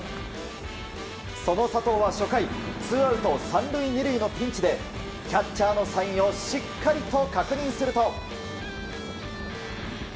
その佐藤は初回ツーアウト３塁２塁のピンチでキャッチャーのサインをしっかりと確認すると。